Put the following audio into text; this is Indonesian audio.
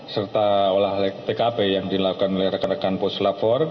serta olahraga tkp yang dilakukan oleh rekan rekan poslapor